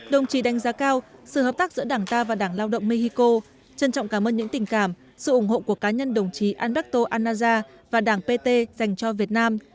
đồng chí đánh giá cao sự hợp tác giữa đảng ta và đảng lao động mexico trân trọng cảm ơn những tình cảm sự ủng hộ của cá nhân đồng chí alberto anaja và đảng pt dành cho việt nam